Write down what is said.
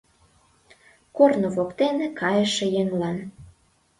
Корно воктен кайыше еҥлан